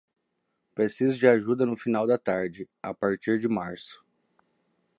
Preciso de ajuda no final da tarde, a partir de março.